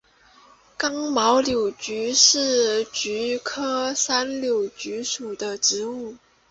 刚毛山柳菊是菊科山柳菊属的植物。